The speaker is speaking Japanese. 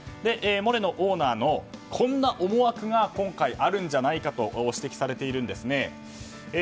モレノオーナーのこんな思惑が今回、あるんじゃないかと指摘されているんですね。